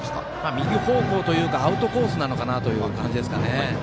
右方向というかアウトコースなのかなという感じですね。